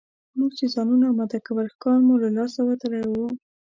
موږ چې ځانونه اماده کول ښکار مو له لاسه وتلی وو.